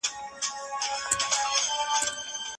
د کیسو لوستل خوندور دي.